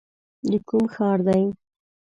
د کوم ښار دی ؟